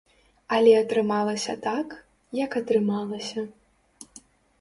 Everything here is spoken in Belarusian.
Але атрымалася так, як атрымалася.